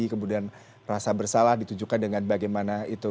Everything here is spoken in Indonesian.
kemudian rasa bersalah ditujukan dengan bagaimana itu